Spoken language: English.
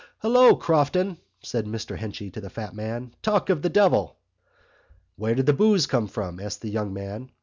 "Hello, Crofton!" said Mr Henchy to the fat man. "Talk of the devil...." "Where did the boose come from?" asked the young man.